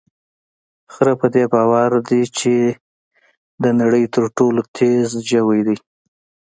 خره په دې باور دی چې د نړۍ تر ټولو تېز ژوی دی.